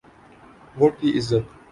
Vote کی عزت۔